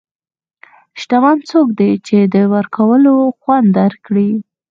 شتمن څوک دی چې د ورکولو خوند درک کړي.